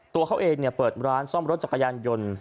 ตัวเขาเองเปิดร้านซ่อมรถจักรยานยนต์